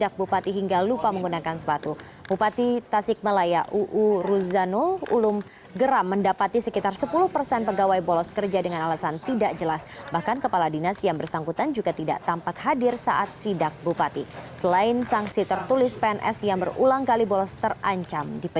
api pon diserahkan langsung oleh wali kota bekasi